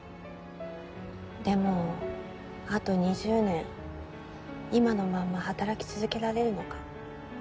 でもあと２０年今のまんま働き続けられるのか。